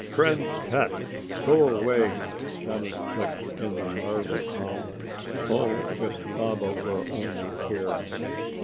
"Friend pet, go away!" Johnny clicked in the marva tongue. Oh, if Baba were only here!